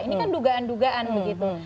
ini kan dugaan dugaan begitu